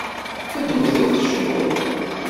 Ddmet lqec-nwen.